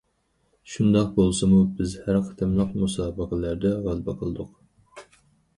شۇنداق بولسىمۇ بىز ھەر قېتىملىق مۇسابىقىلەردە غەلىبە قىلدۇق.